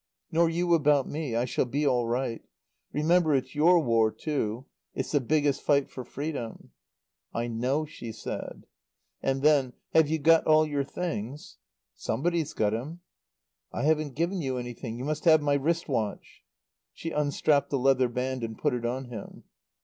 "Nor you about me. I shall be all right. Remember it's your War, too it's the biggest fight for freedom " "I know," she said. And then: "Have you got all your things?" "Somebody's got 'em." "I haven't given you anything. You must have my wrist watch." She unstrapped the leather band and put it on him.